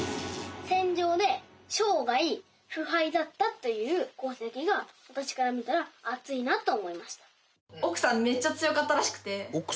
戦場で生涯不敗だったという功績が私から見たら熱いなと思いました。